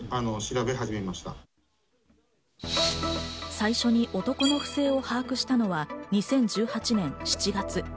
最初に男の不正を把握したのは２０１８年７月。